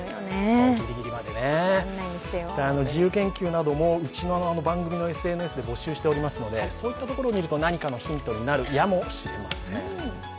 そう、ギリギリまでね、自由研究などもうちの番組のＳＮＳで募集しておりますのでそういったところ見ると何かのヒントになるやもしれません。